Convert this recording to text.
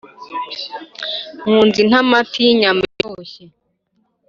Nkunze intamati y'inyama itoshye,